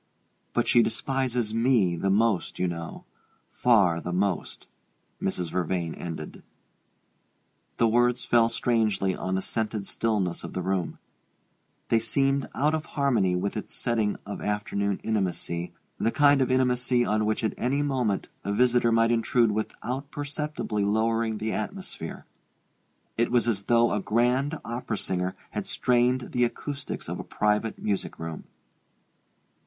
But she despises me the most, you know far the most " Mrs. Vervain ended. The words fell strangely on the scented stillness of the room: they seemed out of harmony with its setting of afternoon intimacy, the kind of intimacy on which at any moment, a visitor might intrude without perceptibly lowering the atmosphere. It was as though a grand opera singer had strained the acoustics of a private music room.